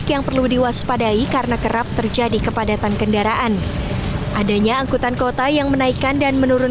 jalan jalan men